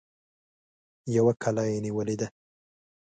يوه کلا يې نيولې ده.